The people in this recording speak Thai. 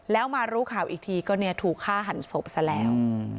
แล้วมารู้ข่าวอีกทีก็เนี่ยถูกฆ่าหันศพซะแล้ว